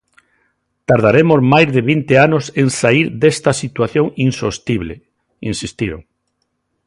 "Tardaremos máis de vinte anos en saír desta situación insostible", insistiron.